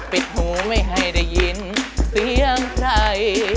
ปิดหูไม่ให้ได้ยินเสียงใคร